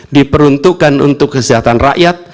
diperuntukkan untuk kesehatan rakyat